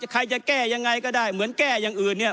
ใครจะแก้ยังไงก็ได้เหมือนแก้อย่างอื่นเนี่ย